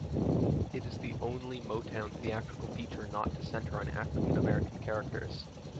It is the only Motown theatrical feature not to center on African-American characters.